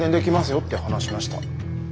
よって話しました。